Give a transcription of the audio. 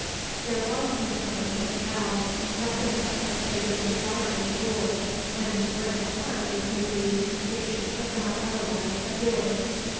There was in her just now nothing but the pagan desire to rule, and to break a heart if need be, if she could not otherwise subdue it.